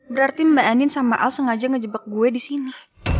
berarti mbak anin sama al sengaja ngejebak gue disini